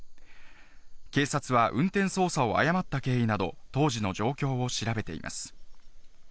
警察は運転操作を誤った経緯など、当時の状況を調べています。